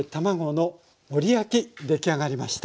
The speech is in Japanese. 出来上がりました。